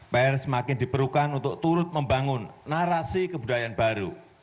pr semakin diperlukan untuk turut membangun narasi kebudayaan baru